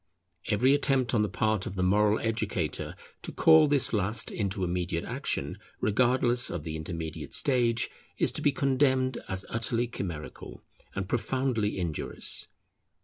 Every attempt on the part of the moral educator to call this last into immediate action, regardless of the intermediate stage, is to be condemned as utterly chimerical and profoundly injurious.